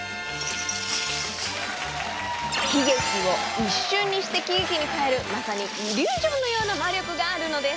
悲劇を一瞬にして喜劇に変えるまさにイリュージョンのような魔力があるのです。